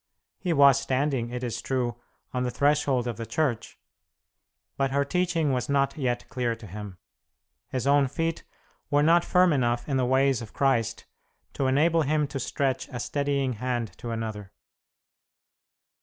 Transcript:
He was standing, it is true, on the threshold of the Church, but her teaching was not yet clear to him. His own feet were not firm enough in the ways of Christ to enable him to stretch a steadying hand to another.